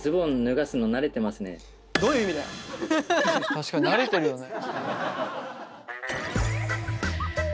確かに慣れてるよね。